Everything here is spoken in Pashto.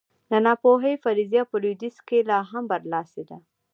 د ناپوهۍ فرضیه په لوېدیځ کې لا هم برلاسې ده.